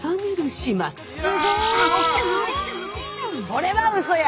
それはうそや。